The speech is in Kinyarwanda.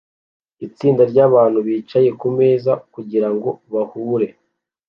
Itsinda ryabantu bicaye kumeza kugirango bahure